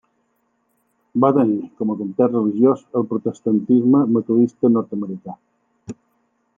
Va tenir com a context religiós el protestantisme metodista nord-americà.